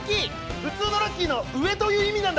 普通のラッキーの上という意味なんだ！